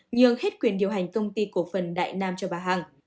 nhường hết quyền điều hành công ty cổ phần đại nam cho bà hằng